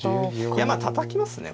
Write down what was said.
いやまあたたきますね。